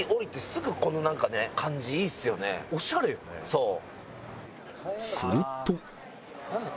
そう。